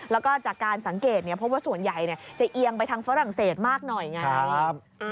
แล้วก็จากการสังเกตพบว่าส่วนใหญ่จะเอียงไปทางฝรั่งเศสมากหน่อยไง